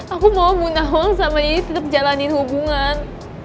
aku mau bu nawang sama deddy tetep jalanin hubungan